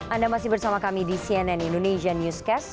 anda masih bersama kami di cnn indonesia newscast